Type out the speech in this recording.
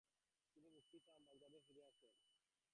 তিনি মুক্তি পান ও বাগদাদে ফিরে আসেন।